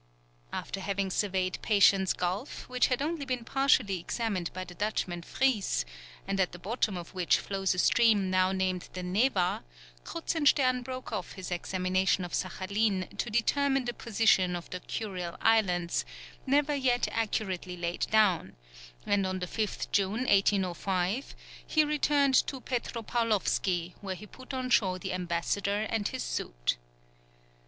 After having surveyed Patience Gulf, which had only been partially examined by the Dutchman Vries, and at the bottom of which flows a stream now named the Neva, Kruzenstern broke off his examination of Saghalien to determine the position of the Kurile Islands, never yet accurately laid down; and on the 5th June, 1805 he returned to Petropaulovski, where he put on shore the ambassador and his suite.